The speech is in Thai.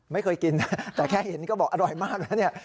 ไม่เคยกินนะแต่แค่เห็นก็บอกอร่อยมากแล้วเนี่ย